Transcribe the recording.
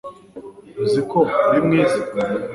Uzi ko uri mwiza